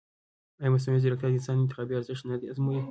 ایا مصنوعي ځیرکتیا د انساني انتخاب ارزښت نه ازموي؟